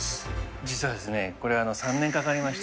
実はですね、これは３年かかりました。